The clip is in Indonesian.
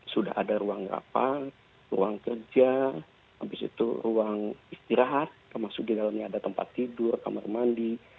sudah ada ruang rapat ruang kerja habis itu ruang istirahat termasuk di dalamnya ada tempat tidur kamar mandi